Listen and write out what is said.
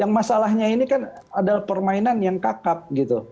yang masalahnya ini kan adalah permainan yang kakap gitu